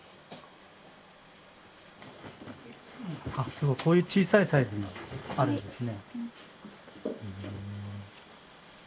すごいこういう小さいサイズもあるんですね。